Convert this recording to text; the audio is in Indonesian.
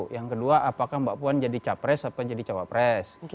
yang kedua apakah mbak puan jadi capres atau jadi cawapres